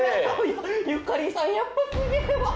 ゆかりさんやっぱすげえわ。